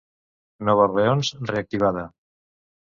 Nova Orleans reactivada.